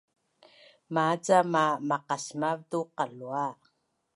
Ma cama maqasmav tu qalua